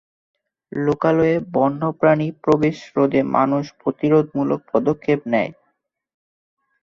লোকালয়ে বন্যপ্রাণী প্রবেশ রোধে মানুষ প্রতিরোধমূলক পদক্ষেপ নেয়।